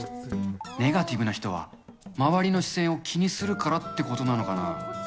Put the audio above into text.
ネガティブな人は周りの視線を気にするからってことなのかな。